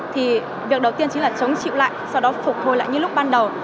thì việc đầu tiên chính là chống chịu lại sau đó phục hồi lại như lúc ban đầu